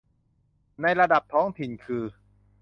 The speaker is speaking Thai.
ในระดับท้องถิ่นคือ